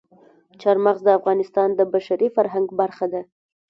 چار مغز د افغانستان د بشري فرهنګ برخه ده.